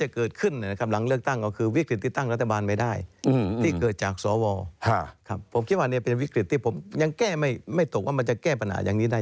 เพราะว่าเนี่ยเป็นวิกฤตที่ผมยังแก้ไม่ถูกว่ามันจะแก้ปัญหาอย่างนี้ได้